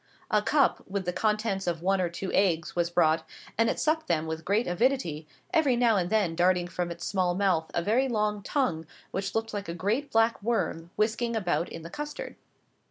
A cup, with the contents of one or two eggs, was brought, and it sucked them with great avidity, every now and then darting from its small mouth a very long tongue, which looked like a great, black worm, whisking about in the custard.